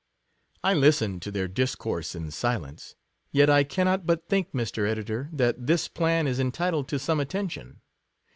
I listened to their discourse in silence: yet I cannot but think, Mr. Editor, that this plan is entitled to some attention.